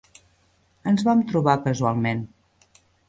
Ens vam trobar casualment.